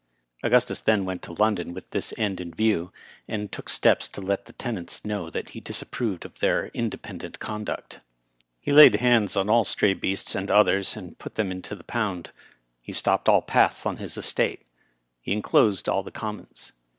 Augustus then went to London with this end in view, and took steps to let the tenants know that he disapproved of their independent conduct. He laid hands on all stray beasts, and others, and put them in the pound. Digitized by VjOOQIC BILEY, M.P. 165 He stopped all the paths on his estate. He inclosed all the commons.